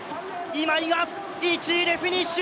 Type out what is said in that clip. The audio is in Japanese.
今井が１位でフィニッシュ！